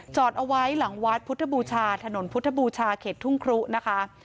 เอาไว้หลังวัดพุทธบูชาถนนพุทธบูชาเขตทุ่งครุนะคะ